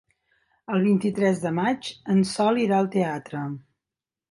El vint-i-tres de maig en Sol irà al teatre.